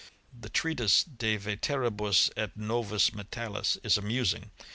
The treatise De veteribus et novis Metallis is amusing.